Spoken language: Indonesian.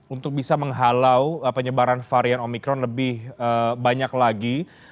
untuk bisa menghalau penyebaran varian omikron lebih banyak lagi